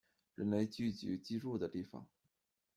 人类聚集居住的地方